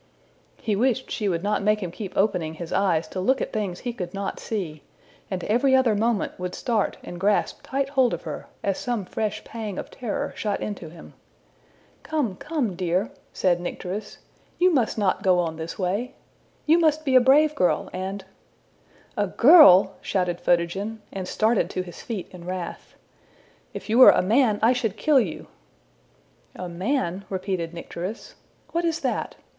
'' He wished she would not make him keep opening his eyes to look at things he could not see; and every other moment would start and grasp tight hold of her, as some fresh pang of terror shot into him. ``Come, come, dear!'' said Nycteris, ``you must not go on this way. You must be a brave girl, and '' ``A girl!'' shouted Photogen, and started to his feet in wrath. ``If you were a man, I should kill you.'' ``A man?'' repeated Nycteris. ``What is that?